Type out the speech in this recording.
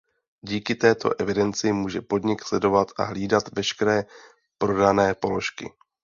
Díky této evidenci může podnik sledovat a hlídat veškeré prodané položky.